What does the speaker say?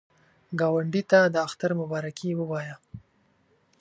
ګاونډي ته د اختر مبارکي ووایه